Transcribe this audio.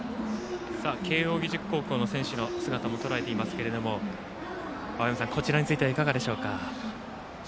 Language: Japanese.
慶応義塾高校の選手もカメラがとらえていますが青山さん、慶応義塾についてはいかがでしょうか？